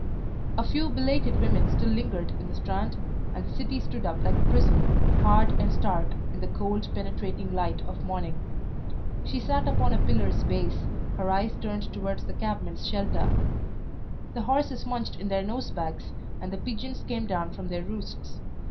A few belated women still lingered in the Strand, and the city stood up like a prison, hard and stark in the cold, penetrating light of morning. She sat upon a pillar's base, her eyes turned towards the cabmen's shelter. The horses munched in their nose bags, and the pigeons came down from their roosts.